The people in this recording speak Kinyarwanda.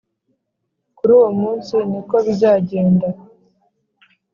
Kuri uwo munsi ni ko bizagenda